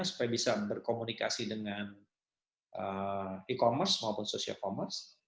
supaya bisa berkomunikasi dengan e commerce maupun social commerce